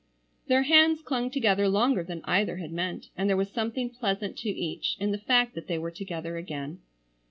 Their hands clung together longer than either had meant, and there was something pleasant to each in the fact that they were together again.